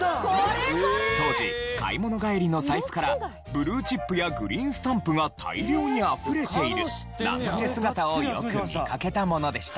当時買い物帰りの財布からブルーチップやグリーンスタンプが大量にあふれているなんて姿をよく見かけたものでした。